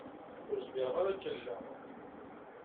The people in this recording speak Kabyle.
Ur zemmreɣ ara ad k-alleɣ